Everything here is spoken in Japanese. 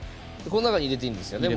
この中に入れていいんですよね？